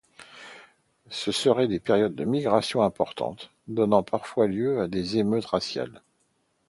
Ce serait des périodes de migrations importantes, donnant parfois lieu à des émeutes raciales.